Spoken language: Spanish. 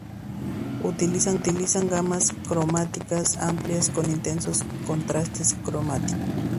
Utilizan gamas cromáticas amplias, con intensos contrastes cromáticos.